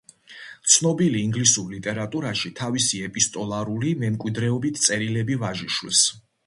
ცნობილი ინგლისურ ლიტერატურაში თავისი ეპისტოლარული მემკვიდრეობით წერილები ვაჟიშვილს.